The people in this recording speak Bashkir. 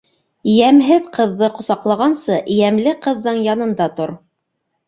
Йәмһеҙ ҡыҙҙы ҡосаҡлағансы, йәмле ҡыҙҙың янында тор.